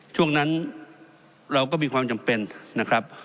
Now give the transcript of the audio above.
ช่วงนั้นเราก็มีความจำเป็นนะครับ